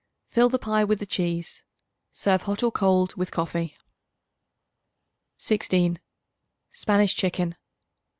Fill the pie with the cheese. Serve hot or cold with coffee. 16. Spanish Chicken.